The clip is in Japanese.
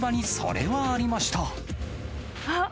あっ！